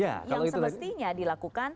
yang semestinya dilakukan